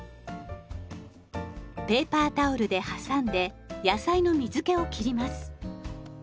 ペーパータオルで挟んで野菜の水けを切ります。